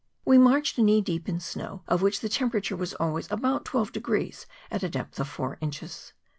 We marched knee deep in snow, of which the temperature was always about 12° at a depth of four inches.